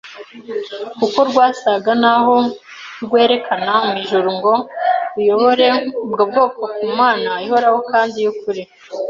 kuko rwasaga naho rwerekana mu ijuru ngo ruyobore ubwo bwoko ku Mana ihoraho kandi y'ukuri.